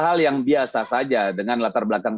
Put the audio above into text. hal yang biasa saja dengan latar belakang